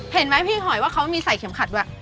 เห็นไหมพี่หอยว่าเค้ามีใส้เขิมขัดแบบ